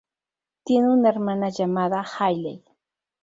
Tiene una hermana llamada Hayley.